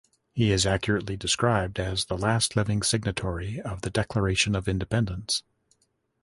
He is accurately described as the last living signatory of the Declaration of Independence.